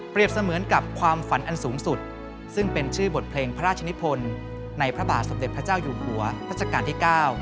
เสมือนกับความฝันอันสูงสุดซึ่งเป็นชื่อบทเพลงพระราชนิพลในพระบาทสมเด็จพระเจ้าอยู่หัวรัชกาลที่๙